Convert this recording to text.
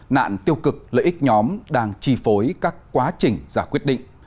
nạn tiêu cực lợi ích nhóm đang chi phối các quá trình giả quyết định